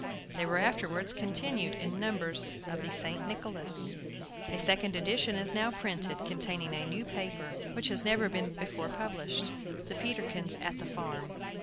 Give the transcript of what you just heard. They were afterwards continued in numbers of the "St. Nicholas." A second edition is now printed, containing a new paper, which has never before been published, "The Peterkins at the Farm."